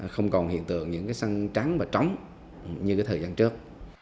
không còn hiện tượng những sân trắng và trống như thời gian trước